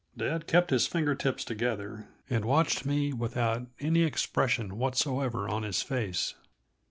Dad kept his finger tips together and watched me without any expression whatsoever in his face.